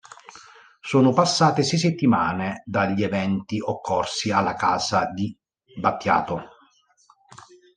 Sono passate sei settimane dagli eventi occorsi alla casa di Batiato.